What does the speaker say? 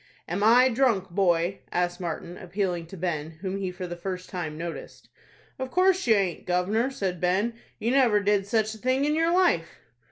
"Am I drunk, boy?" asked Martin, appealing to Ben, whom he for the first time noticed. "Of course you aint, gov'nor," said Ben. "You never did sich a thing in your life."